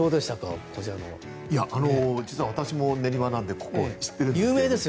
実は私も練馬なのでここ知っています。